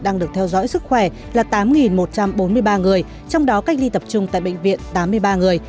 đang được theo dõi sức khỏe là tám một trăm bốn mươi ba người trong đó cách ly tập trung tại bệnh viện tám mươi ba người